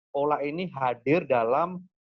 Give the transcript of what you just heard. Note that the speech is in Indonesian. kolak ini hadir dalam